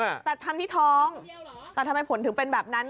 แต่ทำที่ท้องแต่ทำไมผลถึงเป็นแบบนั้น